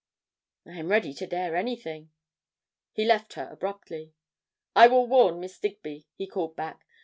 "I am ready to dare anything." He left her abruptly. "I will warn Miss Digby," he called back.